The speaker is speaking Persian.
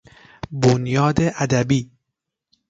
بنیاد ادبی